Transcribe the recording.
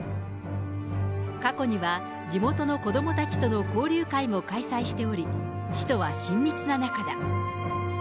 過去には、地元の子どもたちとの交流会も開催しており、市とは親密な仲だ。